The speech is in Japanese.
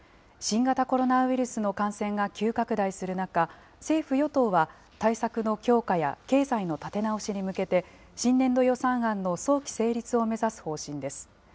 新型コロナウイルスの感染が急拡大する中、政府・与党は、対策の強化や経済の立て直しに向けて、新年度予算案の早期成立を目指す方針です。